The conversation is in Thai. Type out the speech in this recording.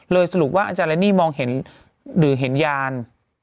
สรุปว่าอาจารย์เรนนี่มองเห็นหรือเห็นยาน